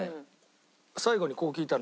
最後にこう聞いたの。